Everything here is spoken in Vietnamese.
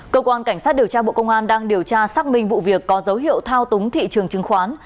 cơ quan cảnh sát điều tra bộ công an đang điều tra xác minh vụ việc có dấu hiệu thao túng thị trường chứng khoán